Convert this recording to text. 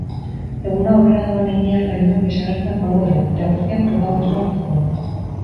Eguna aurrera doan heinean lainoak desagertzen joango dira eta eguzkiak protagonismoa hartuko du.